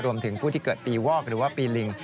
รวมถึงผู้ที่เกิดปีวอกหรือว่าปีลิง